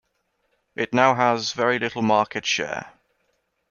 It now has very little market share.